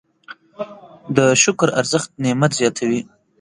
د شکر ارزښت نعمت زیاتوي.